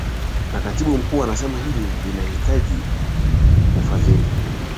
Na katibu mkuu anasema hili linahitaji ufadhili